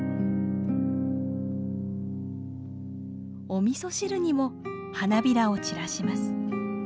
おみそ汁にも花びらを散らします。